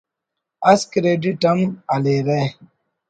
اس کریڈٹ ہم ہلیرہ